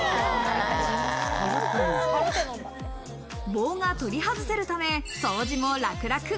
棒が取り外せるため掃除も楽々。